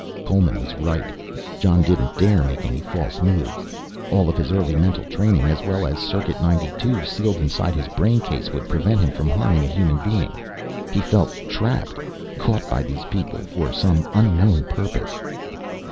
Coleman was right, Jon didn't dare make any false moves. All of his early mental training as well as Circuit 92 sealed inside his brain case would prevent him from harming a human being. He felt trapped, caught by these people for some unknown purpose.